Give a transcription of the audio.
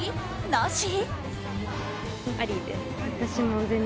なし？